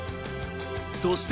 そして。